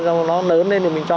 nó lớn lên thì nó tốt hơn